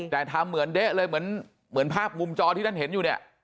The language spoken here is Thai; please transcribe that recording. แต่ทำเหมือนเด๊ะเลยเหมือนภาพมุมจอที่ท่านเห็นอยู่เนี่ย